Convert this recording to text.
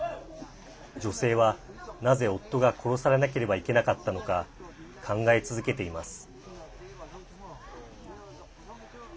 女性は、なぜ夫が殺されなければいけなかったのか考え続けています。